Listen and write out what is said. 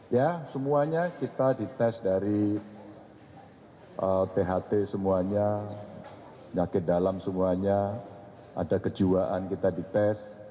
ya semuanya kita dites dari tht semuanya nyakit dalam semuanya ada kejiwaan kita dites